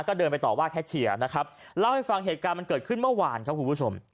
ก็เดินไปต่อว่าแค่เชียร์นะครับเล่าให้ฟังเหตุการณ์มันเกิดขึ้นเมื่อวานครับคุณผู้ชม